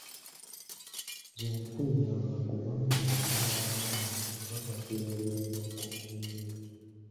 Nze mpulira abantu bangi naddala abayimbi nga babageraageranya ku kimuli ekyo.